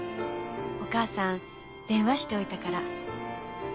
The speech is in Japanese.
お母さん電話しておいたから。